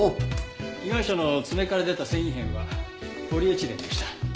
被害者の爪から出た繊維片はポリエチレンでした。